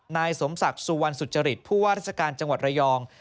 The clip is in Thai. นายสมศักดิ์สุวรรณสุจริตผู้ว่าราชการจังหวัดระยอง